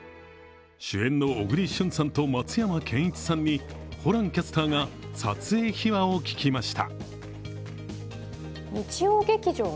主演の小栗旬さんと松山ケンイチさんにホランキャスターが撮影秘話を聞きました。